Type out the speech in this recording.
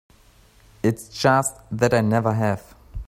It's just that I never have.